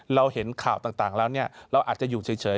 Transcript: เราเห็นข่าวต่างแล้วเราอาจจะอยู่เฉย